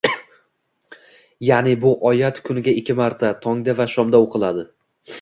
Ya’ni bu oyat kuniga ikki marta – tongda va shomda o‘qiladi.